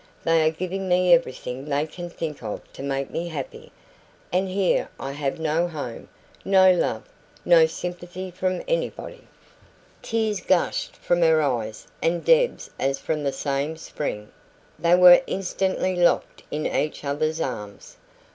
They are giving me everything they can think of to make me happy, and here I have no home no love no sympathy from anybody " Tears gushed from her eyes and Deb's as from the same spring; they were instantly locked in each other's arms.